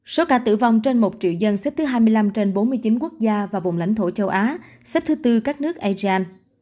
số ca tử vong trên một triệu dân xếp thứ hai mươi năm trên bốn mươi chín quốc gia và vùng lãnh thổ châu á xếp thứ tư các nước asean